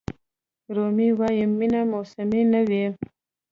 رومي وایي مینه موسمي نه وي.